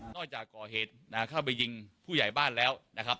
จากก่อเหตุเข้าไปยิงผู้ใหญ่บ้านแล้วนะครับ